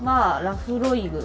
ラフロイグ。